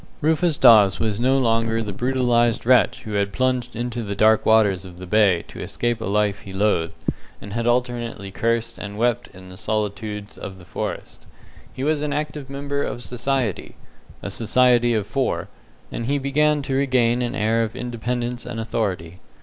Rufus Dawes was no longer the brutalized wretch who had plunged into the dark waters of the bay to escape a life he loathed, and had alternately cursed and wept in the solitudes of the forests. He was an active member of society a society of four and he began to regain an air of independence and authority.